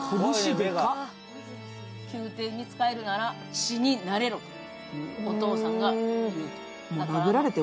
宮殿に仕えるなら血に慣れろと、お父さんが言う。